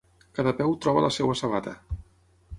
Cada peu troba la seva sabata.